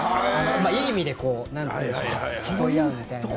いい意味で競い合うみたいな。